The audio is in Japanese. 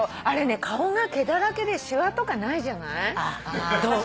あれね顔が毛だらけでシワとかないじゃない？